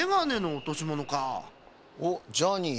おっジャーニー